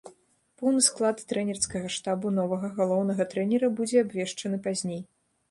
Поўны склад трэнерскага штабу новага галоўнага трэнера будзе абвешчаны пазней.